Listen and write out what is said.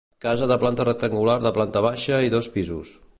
Casa de planta rectangular de planta baixa i dos pisos.